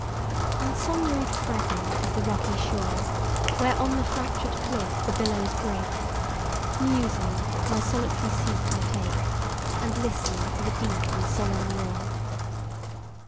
ON some rude fragment of the rocky shore, Where on the fractured cliff the billows break, Musing, my solitary seat I take, And listen to the deep and solemn roar.